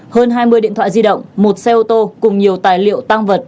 hơn hai mươi điện thoại di động một xe ô tô cùng nhiều tài liệu tăng vật